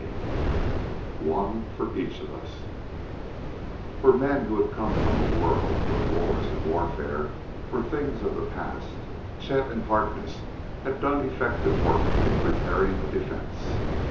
CHAPTER XIX "One for Each of Us" For men who had come from a world where wars and warfare were things of the past, Chet, and Harkness had done effective work in preparing a defense.